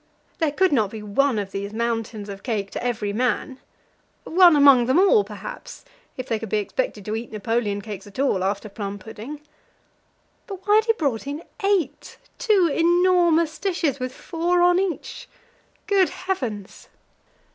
there could not be one of those mountains of cake to every man? One among them all, perhaps if they could be expected to eat Napoleon cakes at all after plum pudding. But why had he brought in eight two enormous dishes with four on each? Good heavens!